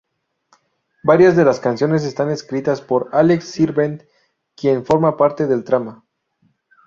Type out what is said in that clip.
Varias de las canciones están escritas por Alex Sirvent, quien forma parte del trama.